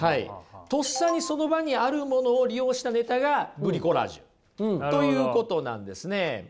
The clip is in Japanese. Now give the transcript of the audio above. とっさにその場にあるものを利用したネタがブリコラージュということなんですね。